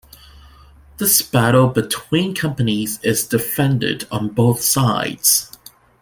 This battle between companies is defended on both sides.